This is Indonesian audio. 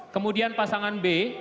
kemudian pasangan b